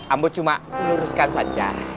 ambo cuma luruskan saja